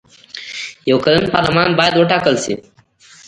یو کلن پارلمان باید وټاکل شي.